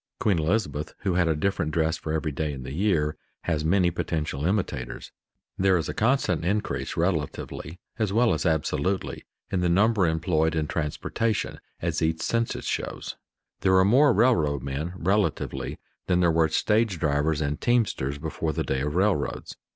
Queen Elizabeth, who had a different dress for every day in the year, has many potential imitators. There is a constant increase relatively, as well as absolutely, in the number employed in transportation, as each census shows; there are more railroad men relatively than there were stage drivers and teamsters before the day of railroads.